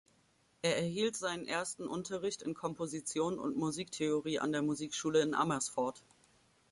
Er erhielt seinen ersten Unterricht in Komposition und Musiktheorie an der Musikschule in Amersfoort.